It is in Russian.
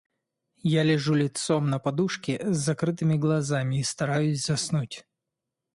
Я лежу лицом на подушке с закрытыми глазами и стараюсь заснуть.